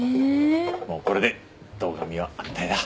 もうこれで堂上は安泰だ。